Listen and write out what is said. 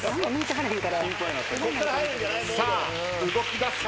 さあ動きだすか？